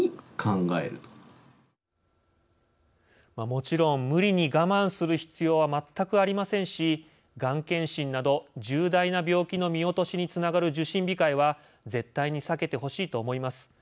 もちろん無理に我慢する必要は全くありませんしがん検診など重大な病気の見落としにつながる「受診控え」は絶対に避けてほしいと思います。